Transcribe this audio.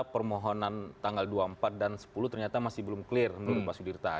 permohonan tanggal dua puluh empat dan sepuluh ternyata masih belum clear menurut pak sudirta